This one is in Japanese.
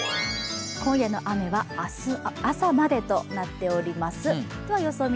今夜の雨は明日朝までとなっております。